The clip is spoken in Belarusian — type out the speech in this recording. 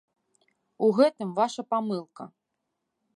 У гэтым ваша памылка.